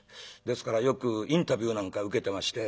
ですからよくインタビューなんか受けてまして